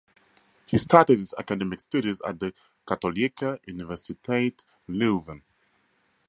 He started his academic studies at the Katholieke Universiteit Leuven.